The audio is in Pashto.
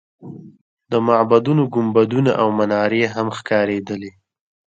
د معبدونو ګنبدونه او منارې هم ښکارېدلې.